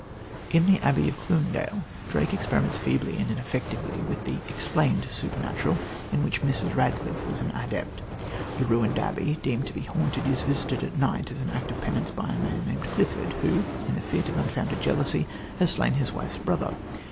In The Abbey of Clunedale Drake experiments feebly and ineffectively with the "explained supernatural" in which Mrs. Radcliffe was an adept. The ruined abbey, deemed to be haunted, is visited at night as an act of penance by a man named Clifford who, in a fit of unfounded jealousy, has slain his wife's brother.